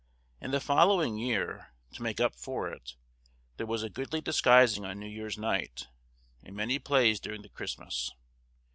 In the following year, to make up for it, there was a goodly disguising on New Year's Night, and many plays during the Christmas.